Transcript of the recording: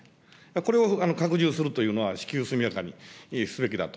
これを拡充するというのは、至急速やかにすべきだと。